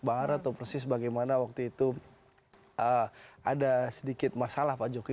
bahara atau presis bagaimana waktu itu ada sedikit masalah pak jokowi